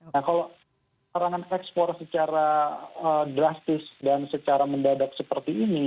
nah kalau serangan ekspor secara drastis dan secara mendadak seperti ini